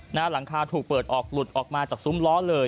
หลังคาถูกเปิดออกหลุดออกมาจากซุ้มล้อเลย